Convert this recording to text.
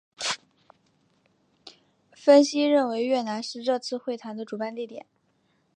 分析认为越南是这次会谈的主办地点。